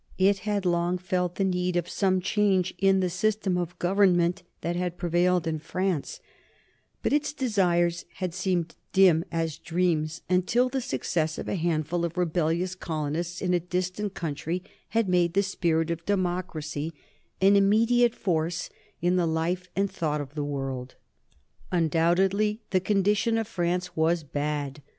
It had long felt the need of some change in the system of government that had prevailed in France, but its desires had seemed dim as dreams until the success of a handful of rebellious colonists in a distant country had made the spirit of democracy an immediate force in the life and the thought of the world. Undoubtedly the condition of France was bad.